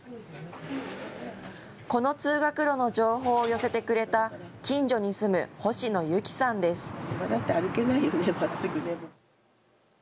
この通学路の情報を寄せてくれた近所に住む星野由紀さんです。